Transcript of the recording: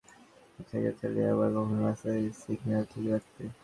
কখনো ওয়াকিটকি হাতে, কখনো মোটরসাইকেল চালিয়ে আবার কখনো রাস্তায় সিগন্যাল ঠিক রাখতে।